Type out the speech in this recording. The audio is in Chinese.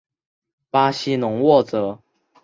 巴西隆沃泽。